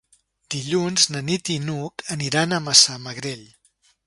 Dilluns na Nit i n'Hug aniran a Massamagrell.